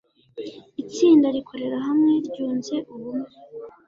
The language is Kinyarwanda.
itsinda rikorera hamwe ryunze ubumwe